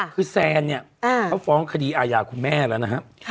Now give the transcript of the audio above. คือแซนเนี่ยเขาฟ้องคดีอาญาคุณแม่แล้วนะครับ